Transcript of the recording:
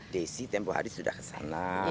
desi tempohadi sudah kesana